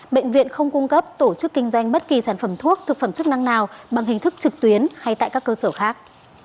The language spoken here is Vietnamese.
bệnh viện không cung cấp tổ chức kinh doanh bất kỳ sản phẩm thuốc thực phẩm chức năng nào bằng hình thức trực tuyến hay tại các cơ sở khác